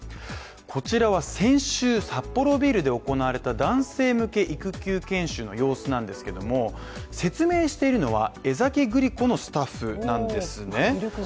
こちらは先週、サッポロビールで行われた男性向け育休研修の様子なんですけれども説明しているのは、江崎グリコのスタッフなんですね。